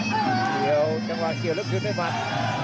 เกี่ยวจังหวะเกี่ยวแล้วคืนด้วยมัด